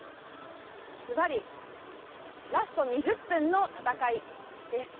ラスト２０分の戦いです。